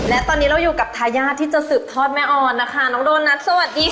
และตอนนี้เราอยู่กับทายาทที่จะสืบทอดแม่ออนนะคะน้องโดนัทสวัสดีค่ะ